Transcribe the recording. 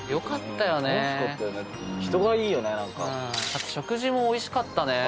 あと食事もおいしかったね。